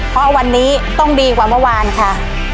เพราะวันนี้ต้องดีกว่าเมื่อวานค่ะ